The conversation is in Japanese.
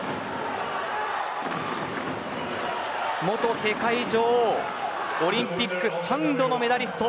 元世界女王オリンピック３度のメダリスト。